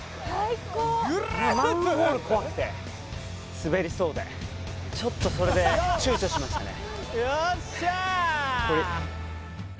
滑りそうでちょっとそれで躊躇しましたね